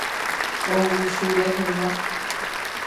Ogusu rehegua.